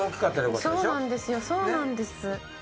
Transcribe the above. そうなんですよそうなんです。